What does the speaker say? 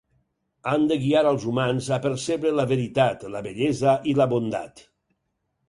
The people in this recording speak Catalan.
Han de guiar als humans a percebre la veritat, la bellesa i la bondat.